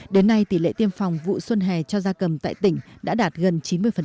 đến nay tỷ lệ tiêm phòng vụ xuân hè cho gia cầm tại tỉnh đã đạt gần chín mươi